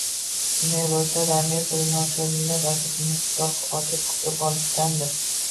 Shunday bo`lsa-da, Amerika noshirlari adibni quchoq ochib kutib olishgandi